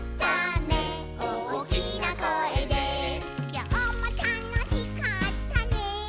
「きょうもたのしかったね」